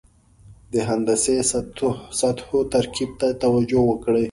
د هندسي سطحو ترکیب ته توجه وکړئ.